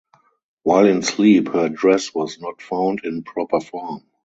While in sleep her dress was not found in proper form.